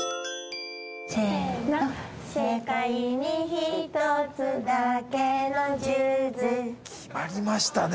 せーの世界に一つだけの数珠決まりましたね